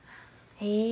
へえ！